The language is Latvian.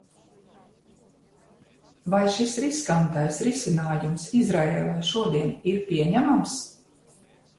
Vai šis riskantais risinājums Izraēlai šodien ir pieņemams?